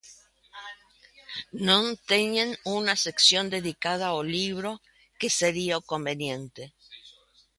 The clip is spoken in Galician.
Non teñen unha sección dedicada ao libro, que sería o conveniente.